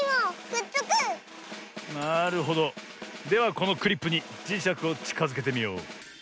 このクリップにじしゃくをちかづけてみよう。